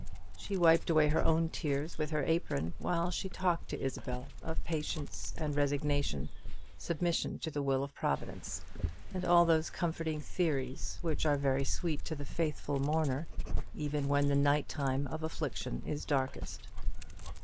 She wiped away her own tears with her apron while she talked to Isabel of patience and resignation, submission to the will of Providence, and all those comforting theories which are very sweet to the faithful mourner, even when the night time of affliction is darkest.